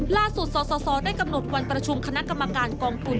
สสได้กำหนดวันประชุมคณะกรรมการกองทุน